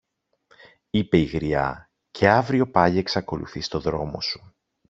είπε η γριά, και αύριο πάλι εξακολουθείς το δρόμο σου.